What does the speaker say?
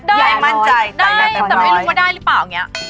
ได้มั่นใจได้แต่ไม่รู้ว่าได้หรือเปล่าอย่างนี้